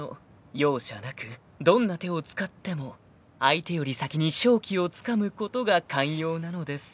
［容赦なくどんな手を使っても相手より先に勝機をつかむことが肝要なのです］